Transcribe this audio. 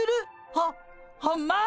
ホホンマ！？